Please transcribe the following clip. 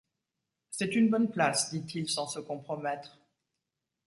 C’est une bonne place, dit-il sans se compromettre.